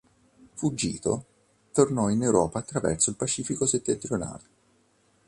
Fuggito, tornò in Europa attraverso il Pacifico settentrionale.